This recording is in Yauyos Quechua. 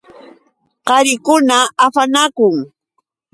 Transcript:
Qarikuna afanakun.